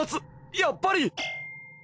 やっぱり！